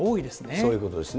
そういうことですね。